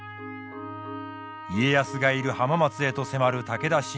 家康がいる浜松へと迫る武田信玄。